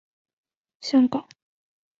邬励德也是香港会的会员。